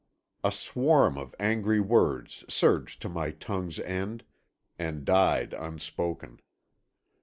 A swarm of angry words surged to my tongue's end—and died unspoken.